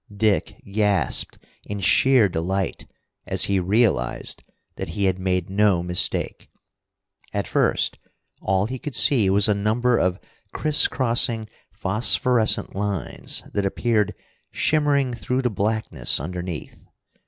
Dick gasped in sheer delight as he realized that he had made no mistake. At first all he could see was a number of criss crossing phosphorescent lines that appeared shimmering through the blackness underneath.